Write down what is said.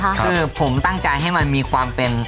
คือผมตั้งใจให้มันมีความเป็น